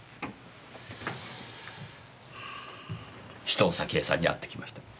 紫藤咲江さんに会ってきました。